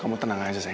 kamu tenang aja sayang